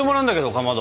かまど。